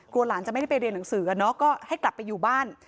หลานจะไม่ได้ไปเรียนหนังสือก็ให้กลับไปอยู่บ้าน